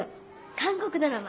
韓国ドラマ。